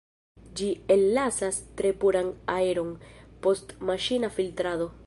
Ĝi ellasas tre puran aeron, post maŝina filtrado.